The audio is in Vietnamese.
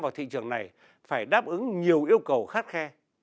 và thị trường này phải đáp ứng nhiều yêu cầu khát khe